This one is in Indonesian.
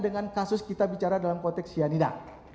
dengan kasus kita bicara dalam konteks cyanida